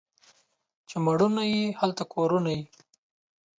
چي مړونه وي ، هلته کورونه وي.